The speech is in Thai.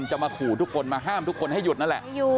จะมาขู่ทุกคนมาห้ามทุกคนให้หยุดนั่นแหละ